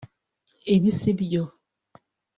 ibi si byo